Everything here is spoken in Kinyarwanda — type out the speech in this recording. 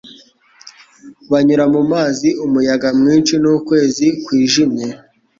Banyura mu mazi, Umuyaga mwinshi n'ukwezi kwijimye,